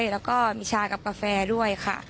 แล้วก็มีชากับกาแฟด้วยค่ะ